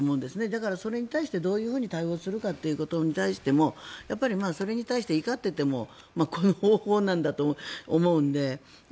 だからそれに対してどういうふうに対応するかということに対してもそれに対して怒っていてもこの方法なんだと思うので。